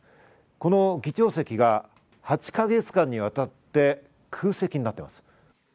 この議長席が８か月間に渡って空席になっています。